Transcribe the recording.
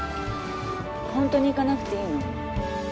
ホントに行かなくていいの？